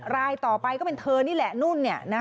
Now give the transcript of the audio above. รายต่อไปก็เป็นเธอนี่แหละนุ่น